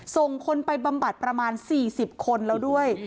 ส่งคนไปบำบัดประมาณ๔๐คนแล้วด้วย